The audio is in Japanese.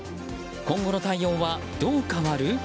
今後の対応はどう変わる？